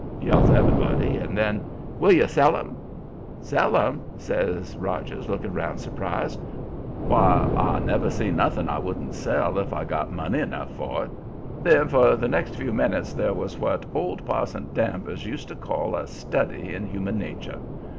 yells everybody. And then: "Will you sell 'em?" "Sell 'em?" says Rogers, looking round surprised. "Why, I never see nothing I wouldn't sell if I got money enough for it." Then for the next few minutes there was what old Parson Danvers used to call a study in human nature.